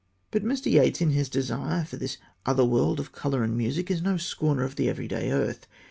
But Mr. Yeats, in his desire for this other world of colour and music, is no scorner of the everyday earth.